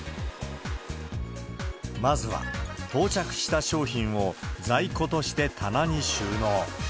まずは、到着した商品を在庫として棚に収納。